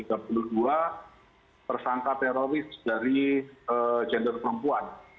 ada tiga puluh dua persangka teroris dari gender perempuan